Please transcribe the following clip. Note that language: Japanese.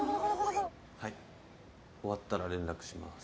はい終わったら連絡します。